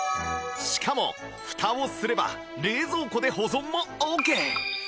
しかもフタをすれば冷蔵庫で保存もオーケー